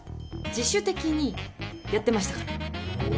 自主的にやってましたから。